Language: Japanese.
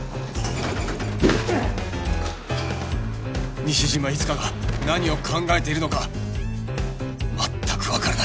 西島いつかが何を考えているのか全くわからない